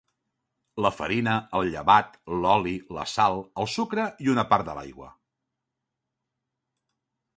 La farina, el llevat, l'oli, la sal, el sucre i una part de l'aigua.